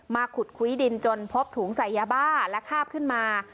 ขุดคุ้ยดินจนพบถุงใส่ยาบ้าและคาบขึ้นมา